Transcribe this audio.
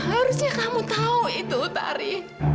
harusnya kamu tahu itu tari